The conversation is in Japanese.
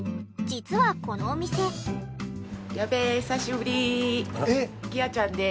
実はこのお店。えっ！？